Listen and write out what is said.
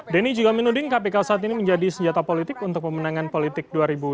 denny juga menuding kpk saat ini menjadi senjata politik untuk pemenangan politik dua ribu dua puluh